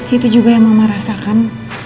itu juga yang mama rasakan